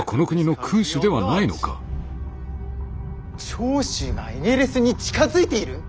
長州がエゲレスに近づいている？